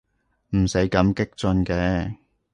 唔使咁激進嘅